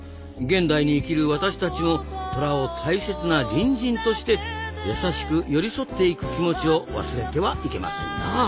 現代に生きる私たちもトラを大切な隣人として優しく寄り添っていく気持ちを忘れてはいけませんな。